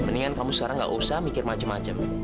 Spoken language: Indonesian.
mendingan kamu sekarang gak usah mikir macem macem